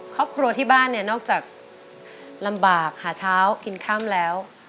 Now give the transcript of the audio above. ครอบครัวที่บ้านเนี่ยนอกจากลำบากหาเช้ากินค่ำแล้ว